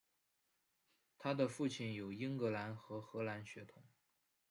她的父亲有英格兰和荷兰血统。